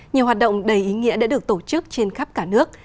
nhiều hoạt động đầy ý nghĩa đã được tổ chức trên khắp cả nước